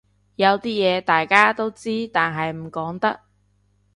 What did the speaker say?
有啲嘢大家都知但係唔講得